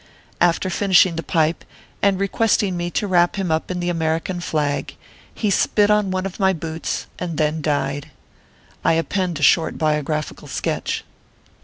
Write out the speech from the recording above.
After finishing the pipe, and requesting me to wrap him up in the Amer ican flag, he spit on one of my boots, and then died. I append a short biographical sketch.